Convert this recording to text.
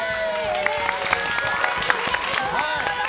お願いします。